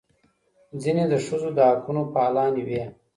ځینې د ښځو د حقونو فعالانې وې.